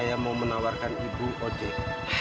saya mau menawarkan ibu ojek